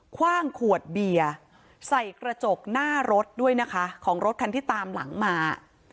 คว่างขวดเบียร์ใส่กระจกหน้ารถด้วยนะคะของรถคันที่ตามหลังมา